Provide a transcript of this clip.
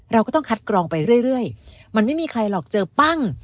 เราก็ต้องคัดกรองไปเรื่อยมันไม่มีใครหรอกเจอปั้ง